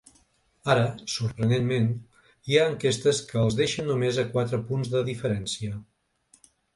Ara, sorprenentment, hi ha enquestes que els deixen només a quatre punts de diferència.